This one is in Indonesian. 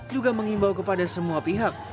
juga mengimbau kepada semua pihak